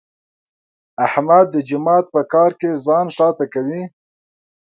احمد د جومات په کار کې ځان شاته کوي.